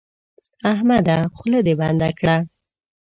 احمده خوله دې بنده کړه.